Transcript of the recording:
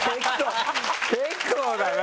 結構だな！